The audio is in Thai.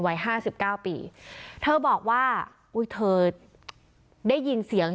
วัย๕๙ปีเธอบอกว่าเธอได้ยินเสียง